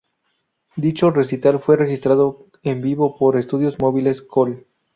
Dicho recital fue registrado en vivo por estudios móviles "Col".